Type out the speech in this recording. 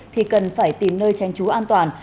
thì cần phải tìm nơi tranh chú an toàn